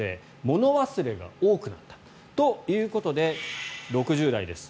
物忘れが多くなったということで６０代です